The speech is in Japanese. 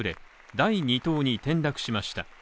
第２党に転落しました。